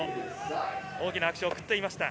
大きな拍手を送っていました。